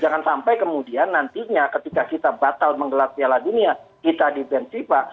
jangan sampai kemudian nantinya ketika kita batal menggelar piala dunia kita di band fifa